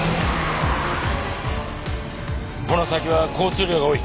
この先は交通量が多い。